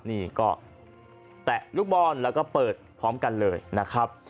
นี่ก็แตะลูกบอลแล้วก็เปิดพร้อมกันเลยนะครับ